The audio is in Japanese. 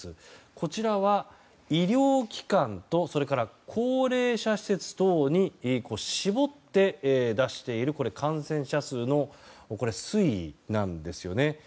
こちらは、医療機関と高齢者施設等に絞って出している感染者数の推移なんですよね。